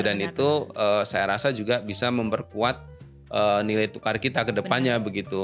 dan itu saya rasa juga bisa memperkuat nilai tukar kita kedepannya begitu